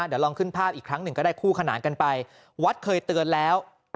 เดี๋ยวลองขึ้นภาพอีกครั้งหนึ่งก็ได้คู่ขนานกันไปวัดเคยเตือนแล้ว